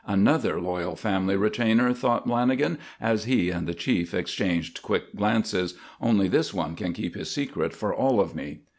"Another loyal family retainer," thought Lanagan as he and the chief exchanged quick glances. "Only this one can keep his secret for all of me."